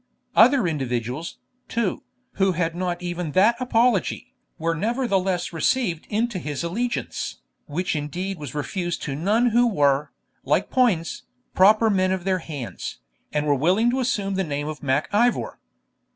Other individuals, too, who had not even that apology, were nevertheless received into his allegiance, which indeed was refused to none who were, like Poins, proper men of their hands, and were willing to assume the name of Mac Ivor.